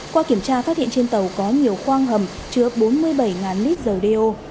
qua kiểm tra phát hiện trên tàu có nhiều khoang hầm chứa bốn mươi bảy lít dầu đeo